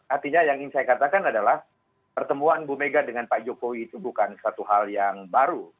artinya yang ingin saya katakan adalah pertemuan bu mega dengan pak jokowi itu bukan suatu hal yang baru